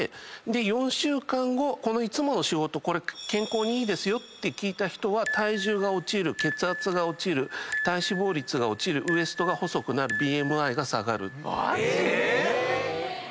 ４週間後「いつもの仕事健康にいいですよ」と聞いた人は体重が落ちる血圧が落ちる体脂肪率が落ちるウエストが細くなるＢＭＩが下がる。